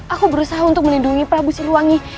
aku berusaha untuk melindungi prabu siliwangi